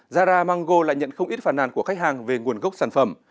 zara mango lại nhận không ít phản nàn của khách hàng về nguồn gốc sản phẩm